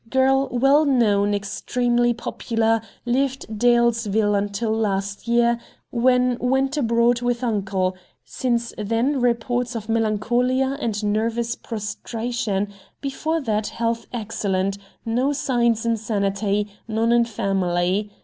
Girl well known, extremely popular, lived Dalesville until last year, when went abroad with uncle, since then reports of melancholia and nervous prostration, before that health excellent no signs insanity none in family.